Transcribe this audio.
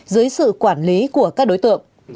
dưới sự quản lý của các đối tượng